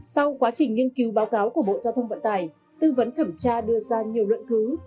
sau quá trình nghiên cứu báo cáo của bộ giao thông vận tài tư vấn thẩm tra đưa ra nhiều luận cứ